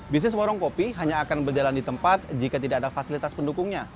bisnis warung kopi hanya akan berjalan di tempat jika tidak ada fasilitas pendukungnya